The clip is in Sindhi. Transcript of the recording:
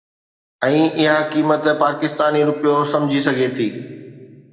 ۽ اها قيمت پاڪستاني رپيو سمجهي سگهجي ٿي